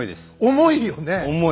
重いよねえ？